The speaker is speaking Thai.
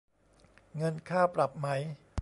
เงินค่าปรับไหม